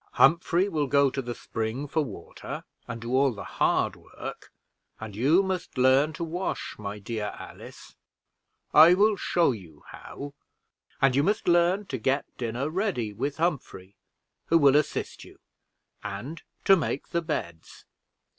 Humphrey will go to the spring for water, and do all the hard work; and you must learn to wash, my dear Alice I will show you how; and you must learn to get dinner ready with Humphrey, who will assist you; and to make the beds.